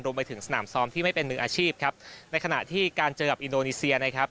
ไปถึงสนามซ้อมที่ไม่เป็นมืออาชีพครับในขณะที่การเจอกับอินโดนีเซียนะครับ